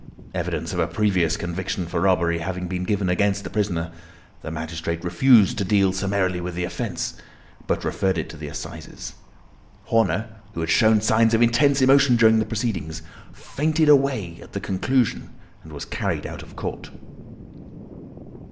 Evidence of a previous conviction for robbery having been given against the prisoner, the magistrate refused to deal summarily with the offence, but referred it to the Assizes. Horner, who had shown signs of intense emotion during the proceedings, fainted away at the conclusion and was carried out of court."